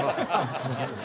すいません